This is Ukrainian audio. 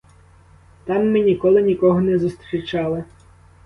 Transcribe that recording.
Там ми ніколи нікого не зустрічали.